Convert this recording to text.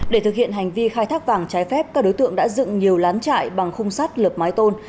để thực hiện hành vi khai thác vàng trái phép các đối tượng đã dựng nhiều lán trại bằng khung sắt lợp mái tôn